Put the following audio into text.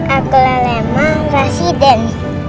aku lemah residen